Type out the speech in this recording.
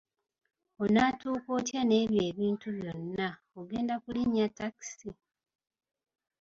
Onatuuka otya n'ebintu ebyo byonna, ogenda kulinnya takisi?